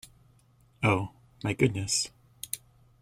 Oh, my goodness!